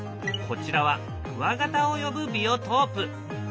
こちらはクワガタを呼ぶビオトープ。